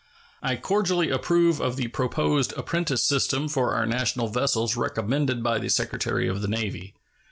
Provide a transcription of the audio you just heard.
I cordially approve of the proposed apprentice system for our national vessels recommended by the Secretary of the Navy.